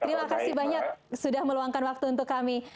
terima kasih banyak sudah meluangkan waktu untuk kami